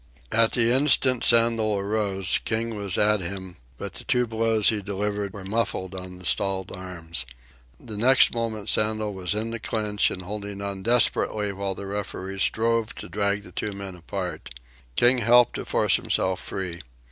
At the instant Sandel arose, King was at him, but the two blows he delivered were muffled on the stalled arms. The next moment Sandel was in the clinch and holding on desperately while the referee strove to drag the two men apart. King helped to force himself free.